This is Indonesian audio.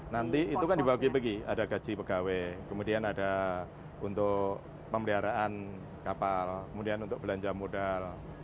nanti itu kan dibagi bagi ada gaji pegawai kemudian ada untuk pemeliharaan kapal kemudian untuk belanja modal